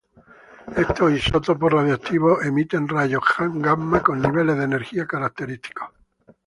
Estos isótopos radioactivos emiten rayos gamma con niveles de energía característicos.